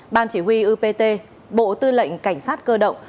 ban chỉ huy upt bộ tư lệnh cảnh sát cơ động